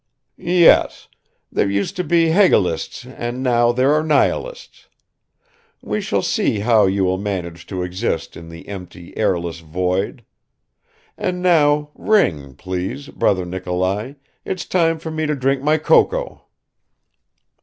"Yes, there used to be Hegelists and now there are nihilists. We shall see how you will manage to exist in the empty airless void; and now ring, please, brother Nikolai, it's time for me to drink my cocoa."